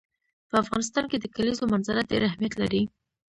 په افغانستان کې د کلیزو منظره ډېر اهمیت لري.